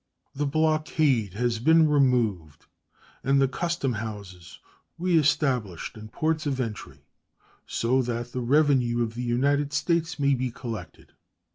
The blockade has been removed and the custom houses reestablished in ports of entry, so that the revenue of the United States may be collected.